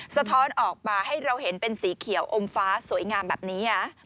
สะท้อนออกมาให้เราเห็นเป็นสีเขียวอมฟ้าสวยงามแบบนี้